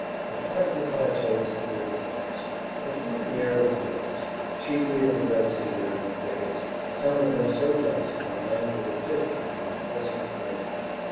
A part of the plateau was cleared of forest, but here and there were groves, chiefly of the red cedar, and thickets, some of them so dense that a man would have difficulty in forcing his way through.